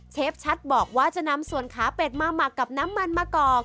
ชัดบอกว่าจะนำส่วนขาเป็ดมาหมักกับน้ำมันมะกอก